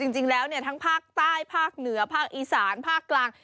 จริงแล้วทั้งภาคใต้ภาคเหนือภาคอีสานภาคกลาง